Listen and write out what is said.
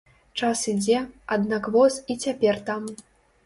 Час ідзе, аднак воз і цяпер там.